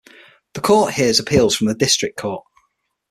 The court hears appeals from the district court.